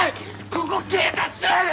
ここ警察署やで！